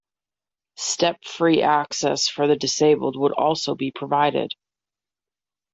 Step-free access for the disabled would also be provided.